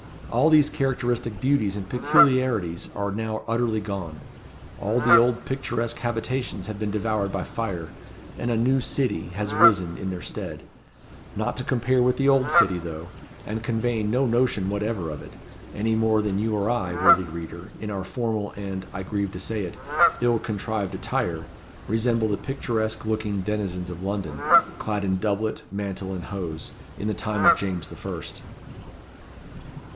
All these characteristic beauties and peculiarities are now utterly gone. All the old picturesque habitations have been devoured by fire, and a New City has risen in their stead; not to compare with the Old City, though and conveying no notion whatever of it any more than you or I, worthy reader, in our formal, and, I grieve to say it, ill contrived attire, resemble the picturesque looking denizens of London, clad in doublet, mantle, and hose, in the time of James the First.